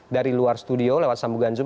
dari luar studio lewat sambungan zoom